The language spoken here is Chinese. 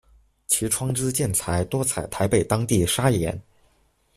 其窗之建材多采台北当地砂岩。